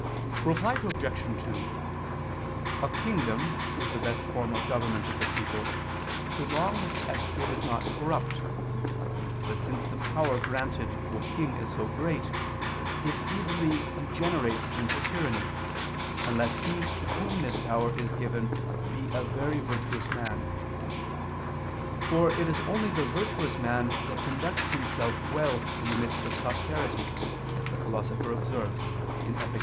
Reply Obj. 2: A kingdom is the best form of government of the people, so long as it is not corrupt. But since the power granted to a king is so great, it easily degenerates into tyranny, unless he to whom this power is given be a very virtuous man: for it is only the virtuous man that conducts himself well in the midst of prosperity, as the Philosopher observes (Ethic.